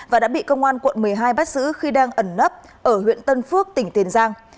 và đã bị công an quận một mươi hai bắt giữ khi đang ẩn nấp ở huyện tân phước tỉnh tiền giang